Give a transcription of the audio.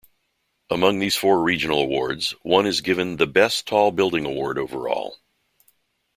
Among these four regional awards, one is given the Best Tall Building Award Overall.